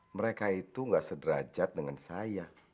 mereka itu gak sederajat dengan saya